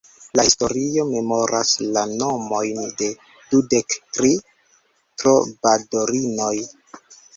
La historio memoras la nomojn de dudek tri trobadorinoj.